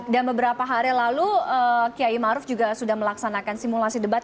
dan beberapa hari lalu kiai maruf juga sudah melaksanakan simulasi debat